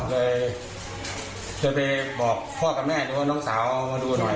เลยไปบอกพ่อกับแม่ดูว่าน้องสาวมาดูหน่อย